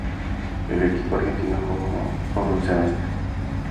En el equipo argentino, jugó por un semestre.